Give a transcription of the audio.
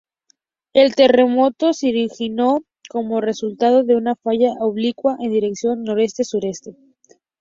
El terremoto se originó como resultado de una falla oblicua en dirección noreste-suroeste.